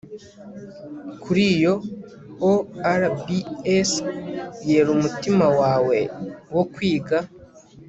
Kuri iyo orbs yera umutima wawe wo kwiga